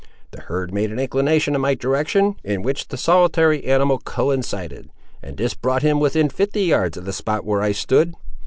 The herd made an inclination in my direction, in which the solitary animal coincided, and this brought him within fifty yards of the spot where I stood.